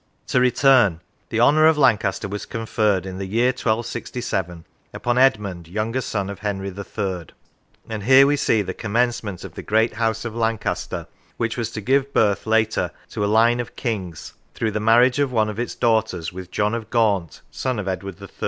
To return: the Honour of Lancaster was conferred, in the year 1267, upon Edmund, younger son of Henry III.; and here we see the commencement of the great House of Lancaster, which was to give birth later to a line of Kings, through the marriage of one of its daughters with John of Gaunt, son of Edward III.